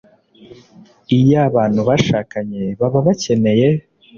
iyo abantu bashakanye, baba bakeneye